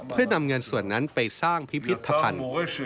เพื่อนำเงินส่วนนั้นไปสร้างพิพิธภัณฑ์